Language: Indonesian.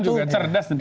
setan juga cerdas